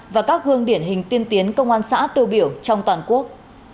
và các gương điển hình tiên tiến công an xã tiêu biểu trong toàn quốc